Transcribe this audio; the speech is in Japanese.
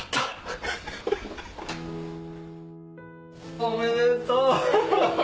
おめでとう！